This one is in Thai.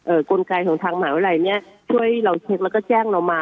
กลไกของทางมหาวิทยาลัยเนี้ยช่วยเราเช็คแล้วก็แจ้งเรามา